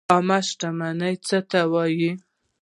عامه شتمني څه ته وایي؟